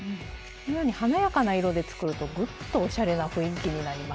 このように華やかな色で作るとグッとおしゃれな雰囲気になりますよ。